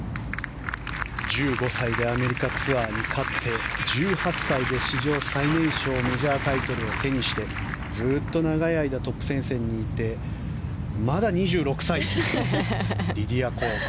１５歳でアメリカツアーで勝って１８歳で史上最年少メジャータイトルを手にしてずっと長い間トップ戦線にいてまだ２６歳です、リディア・コ。